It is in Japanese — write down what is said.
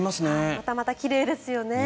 またまた奇麗ですよね。